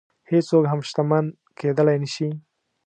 هېڅوک هم شتمن کېدلی نه شي.